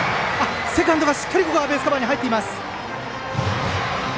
セカンドがしっかりベースカバーに入りました。